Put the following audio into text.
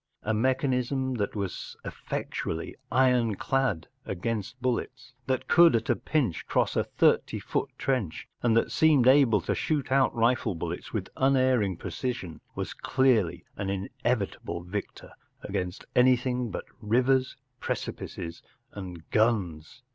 A mechanism that was effectually ironclad against bullets, that could at a pinch cross a thirty foot trench, and that seemed able to shoot out rifle bullets with unerring precision, was clearly an inevitable victor against anything but rivers, precipices, and guns.